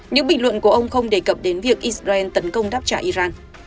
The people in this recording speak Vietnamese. những bình luận của ông không đề cập đến việc israel tấn công đáp trả iran